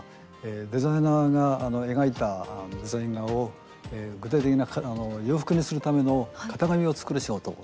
デザイナーが描いたデザイン画を具体的な洋服にするための型紙を作る仕事です。